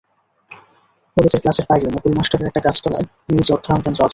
কলেজের ক্লাসের বাইরে মুকুল মাস্টারের একটা গাছতলায় ইংরেজি অধ্যয়ন কেন্দ্র আছে।